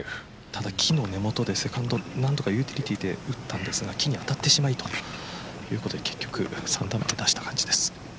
ただ、木の根元でセカンドユーティリティーで打ったんですが木に当たってしまうということで結局３打目で出した感じです。